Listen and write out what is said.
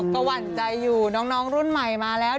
ก็หวั่นใจอยู่น้องรุ่นใหม่มาแล้ว